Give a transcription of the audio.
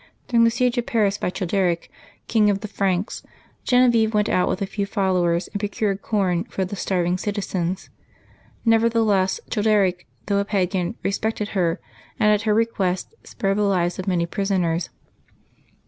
During the siege of Paris by Childeric, king of the Franks, Gene vieve went out with a few followers and procured corn for the starving citizens. Nevertheless Childeric, though a pagan, respected her, and at her request spared the lives of many prisoners.